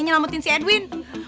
nyelamatin si edwin